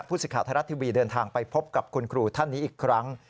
สิทธิ์ไทยรัฐทีวีเดินทางไปพบกับคุณครูท่านนี้อีกครั้ง